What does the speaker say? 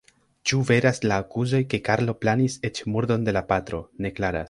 Ĉu veras la akuzoj ke Karlo planis eĉ murdon de la patro, ne klaras.